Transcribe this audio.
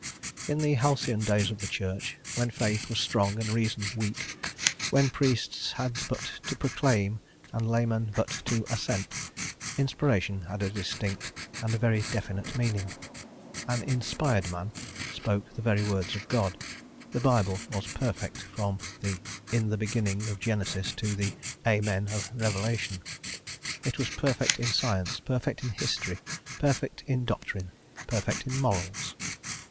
In the halcyon days of the Church, when faith was strong and reason weak, when priests had but to proclaim and laymen but to assent, Inspiration had a distinct and a very definite meaning. An inspired man spoke the very words of God: the Bible was perfect from the "In the beginning" of Genesis to the "Amen" of Revelation: it was perfect in science, perfect in history, perfect in doctrine, perfect in morals.